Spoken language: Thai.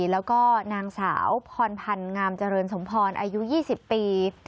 แล้วก็นางสาวพรพันธ์งามเจริญสมพรอายุ๒๐ปี